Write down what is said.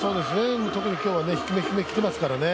特に今日は低め低めにきていますからね。